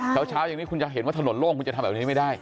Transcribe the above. เช้าอย่างนี้คุณจะเห็นว่าถนนโล่งคุณจะทำแบบนี้ไม่ได้